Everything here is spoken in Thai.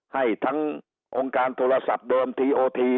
ให้ทั้งองค์การโทรศัพท์เดิมทีโอที